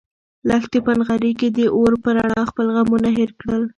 لښتې په نغري کې د اور په رڼا خپل غمونه هېر کړل.